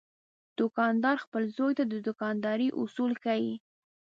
دوکاندار خپل زوی ته د دوکاندارۍ اصول ښيي.